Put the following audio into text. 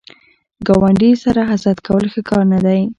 ګاونډي سره حسد کول ښه کار نه دی